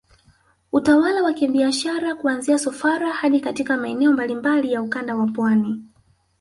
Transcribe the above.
Utawala wa kibiashara kuanzia Sofara hadi katika maeneo mbalimbali ya Ukanda wa Pwani